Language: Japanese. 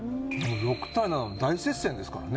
６対７の大接戦ですからね。